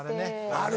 ある。